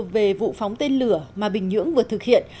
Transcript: về vụ phóng tên lửa mà bình nhưỡng vừa thực hiện